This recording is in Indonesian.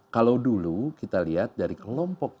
kalau dulu kita lihat dari kelompok